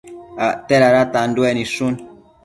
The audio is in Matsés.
Acte dada tanduec nidshu